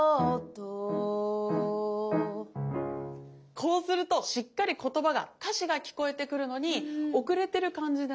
こうするとしっかり言葉が歌詞が聞こえてくるのに遅れてる感じでなく聞こえるんですよね。